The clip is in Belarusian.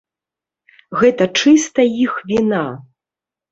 Гэта чыста іх віна.